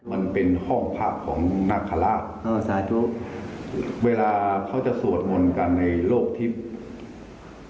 มันเป็นห้องพักของนาคาราชแล้วก็สาธุเวลาเขาจะสวดมนต์กันในโลกทิพย์